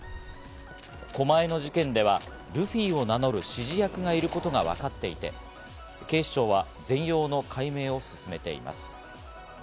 狛江の事件ではルフィを名乗る、指示役がいることがわかっていて、警視庁は全容の解明を進めています。